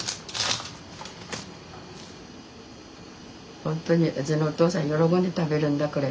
ほんとにうちのお父さん喜んで食べるんだこれ。